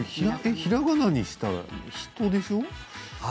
ひらがなにしたら、ひとでしょう。